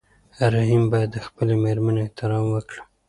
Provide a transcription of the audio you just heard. رحیم باید د خپلې مېرمنې احترام وکړي.